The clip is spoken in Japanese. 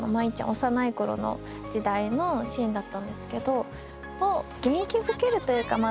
幼い頃の時代のシーンだったんですけど元気づけるというかまあ